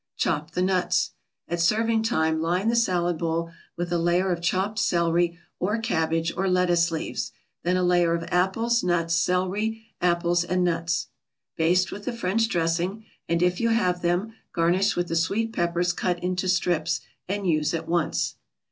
Chop the nuts. At serving time line the salad bowl with a layer of chopped celery or cabbage or lettuce leaves, then a layer of apples, nuts, celery, apples and nuts. Baste with the French dressing, and, if you have them, garnish with the sweet peppers cut into strips, and use at once.